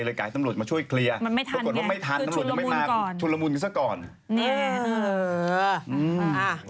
แล้วก็มีการให้ตำรวจมาช่วยเคลียร์ถ้ากดวนว่าไม่ทันตำรวจจะไม่มาชุดรมูลกันซะก่อนนี่แหละ